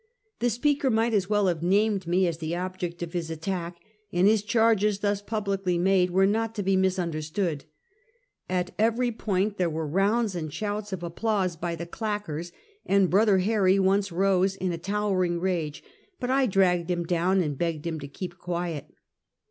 The speaker might as well have named me as the object of his attack, and his charges thus publicly made were not to be misunderstood. At every point there were rounds and shouts of applause by clacquers, and brother Harry once rose in a towering rage, but I dragged him down and begged him to keep quiet.